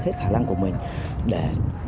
hết khả năng của mình để